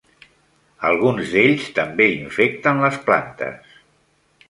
Alguns d'ells també infecten les plantes.